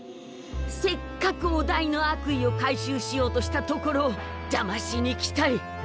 せっかくお代の悪意を回収しようとしたところをじゃましに来たり。